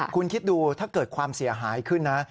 คุณคิดดูถ้าเกิดความเสียหายขึ้นนะ